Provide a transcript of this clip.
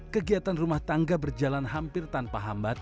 kegiatan rumah tangga berjalan hampir tanpa hambat